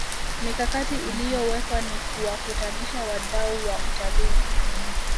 mikakati iliyowekwa ni kuwakutanisha wadau wa utalii